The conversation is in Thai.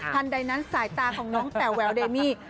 ใดนั้นสายตาของน้องแต่แววเดมี่